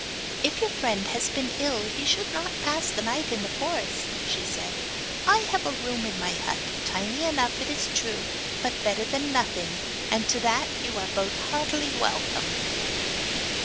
'If your friend has been ill he should not pass the night in the forest,' said she. 'I have room in my hut tiny enough, it is true; but better than nothing, and to that you are both heartily welcome.